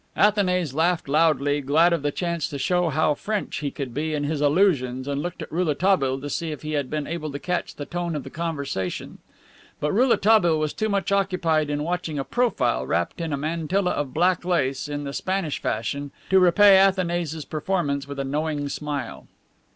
Athanase laughed loudly, glad of the chance to show how French he could be in his allusions, and looked at Rouletabille to see if he had been able to catch the tone of the conversation; but Rouletabille was too much occupied in watching a profile wrapped in a mantilla of black lace, in the Spanish fashion, to repay Athanase's performance with a knowing smile.